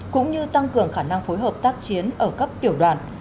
cũng như tăng cường khả năng phối hợp tác chiến ở các tiểu đoàn